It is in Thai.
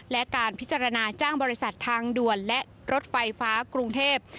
และการพิจารณาจ้างบริษัททางด่วนและรถไฟฟ้ากรุงเทพ